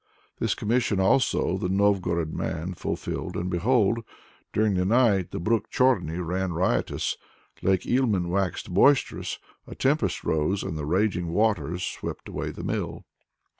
This commission also the Novgorod man fulfilled, and behold! during the night the brook Chorny ran riotous, Lake Ilmen waxed boisterous, a tempest arose, and the raging waters swept away the mill.